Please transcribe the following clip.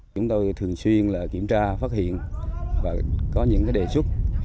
chúng tôi thường xuyên kiểm tra phát hiện và có những đề xuất